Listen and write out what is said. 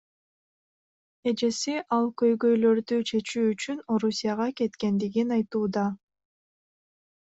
Эжеси ал көйгөйлөрдү чечүү үчүн Орусияга кеткендигин айтууда.